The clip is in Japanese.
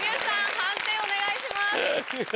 判定お願いします。